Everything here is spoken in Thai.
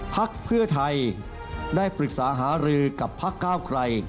พักเพื่อไทยได้ปรึกษาหารือกับพักก้าวไกร